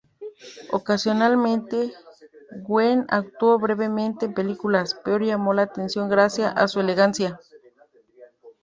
Ocasionalmente Gwen actuó brevemente en películas, peor llamó la atención gracias a su elegancia.